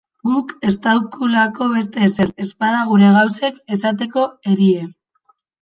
Guk estaukulako beste ezer, ezpada gure gauzek esateko erie.